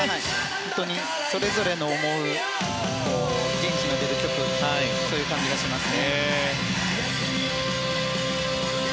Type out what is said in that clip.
本当にそれぞれの思う元気の出る曲そういう感じがします。